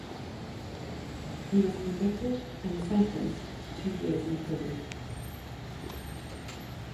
He was convicted and sentenced to two years in prison.